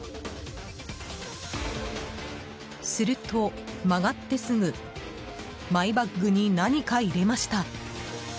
すると、曲がってすぐマイバッグに何か入れました。